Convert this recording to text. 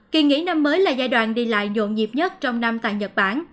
kỳ nghỉ năm mới là giai đoạn đi lại nhộn nhịp nhất trong năm tại nhật bản